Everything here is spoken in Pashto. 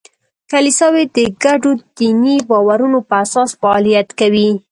کلیساوې د ګډو دیني باورونو په اساس فعالیت کوي.